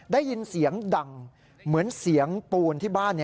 ได้ยินเสียงดังเหมือนเสียงปูนที่บ้าน